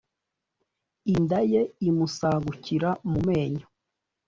Inda ye imusagukira mu menyo